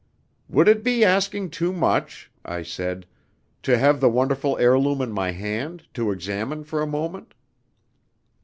"Would it be asking too much," I said, "to have the wonderful heirloom in my hand to examine for a moment?"